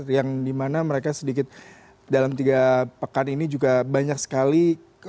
yang dimana mereka sedikit dalam tiga pekan ini juga banyak sekali